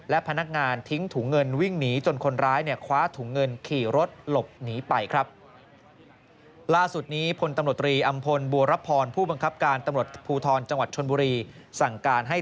และพนักงานทิ้งถุงเงินวิ่งหนีจนคนร้ายเนี่ยคว้าถุงเงินขี่รถหลบหนีไปครับ